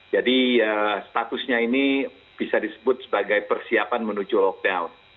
jadi statusnya ini bisa disebut sebagai persiapan menuju lockdown